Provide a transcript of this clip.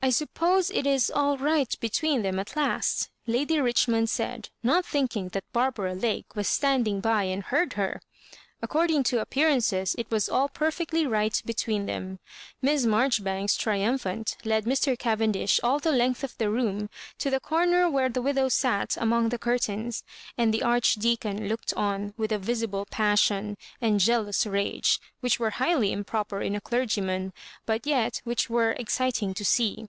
" I suppose it is all right between them at last," Lady Richmond said, not thinking that Barbara Lake was standing by and heard her. According to appearances, it was all perfectly right between them. Miss Marjori banks, triumphant, led Mr. Cavendish all the length of the room to the comer where the widow sat among the curtains, and the Archdea con looked on with a visible passion, and jealous rage, which were highly improper in a clergyman, but yet which were exciting to see.